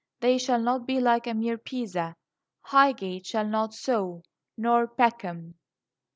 They shall not be like a mere Pisa. Highgate shall not so, nor Peckham.